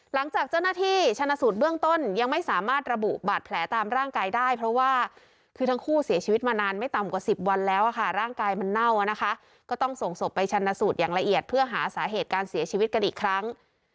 หลังจากเจ้าหน้าที่ชนะสูตรเบื้องต้นยังไม่สามารถระบุบาดแผลตามร่างกายได้เพราะว่าคือทั้งคู่เสียชีวิตมานานไม่ต่ำกว่า๑๐วันแล้วค่ะร่างกายมันเน่านะคะก็ต้องส่งศพไปชนะสูตรอย่างละเอียดเพื่อหาสาเหตุการเสียชีวิตกันอีกครั้ง